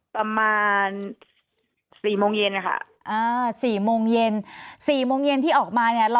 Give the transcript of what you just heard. ประมาณสี่โมงเย็นค่ะอ่าสี่โมงเย็นสี่โมงเย็นที่ออกมาเนี่ย